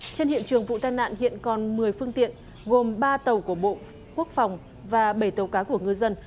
trên hiện trường vụ tai nạn hiện còn một mươi phương tiện gồm ba tàu của bộ quốc phòng và bảy tàu cá của ngư dân